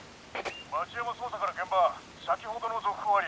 町山捜査から現場先ほどの続報あり。